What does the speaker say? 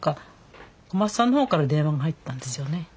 小松さんの方から電話が入ったんですよね。